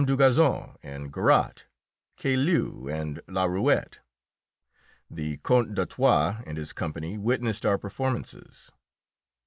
Dugazon, and Garat, Cailleau, and Laruette. The Count d'Artois and his company witnessed our performances.